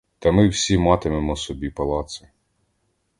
Та ми всі матимемо собі палаци!